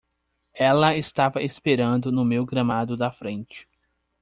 Ela estava esperando no meu gramado da frente.